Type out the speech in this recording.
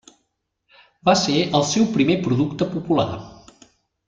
Va ser el seu primer producte popular.